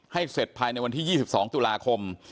เสร็จภายในวันที่๒๒ตุลาคม